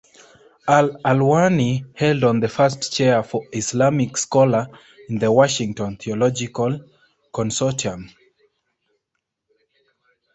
Al-Alwani held the first chair for an Islamic scholar in the Washington Theological Consortium.